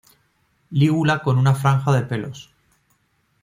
Lígula con una franja de pelos.